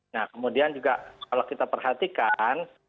nah kemudian juga kalau kita perhatikan